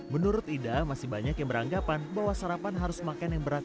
menurut ida masih banyak yang beranggapan bahwa sarapan harus makan yang berat